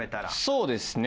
そうですね。